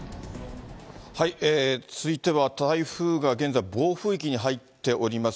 続いては台風が現在、暴風域に入っております